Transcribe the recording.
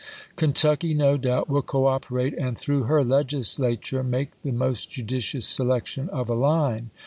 Kentucky, no doubt, will cooperate, and, through her Legislature, make the most judicious selection of a line.